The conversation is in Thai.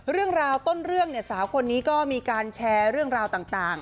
เรื่องราวต้นเรื่องเนี่ยสาวคนนี้ก็มีการแชร์เรื่องราวต่าง